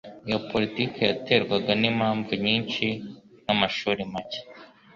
Iyo politiki yaterwaga n'impamvu nyinshi nk'amashuri make